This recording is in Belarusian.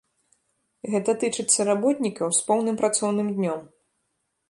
Гэта тычыцца работнікаў з поўным працоўным днём.